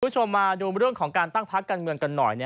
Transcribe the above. คุณผู้ชมมาดูเรื่องของการตั้งพักการเมืองกันหน่อย